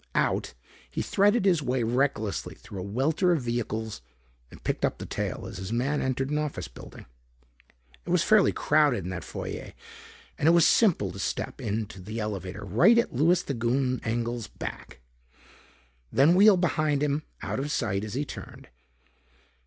Out, he threaded his way recklessly through a welter of vehicles and picked up the tail as his man entered an office building. It was fairly crowded in that foyer and it was simple to step onto the elevator right at Louis the Goon Engel's back, then wheel behind him out of sight as he turned.